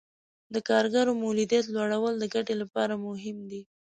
د کارګرو مولدیت لوړول د ګټې لپاره مهم دي.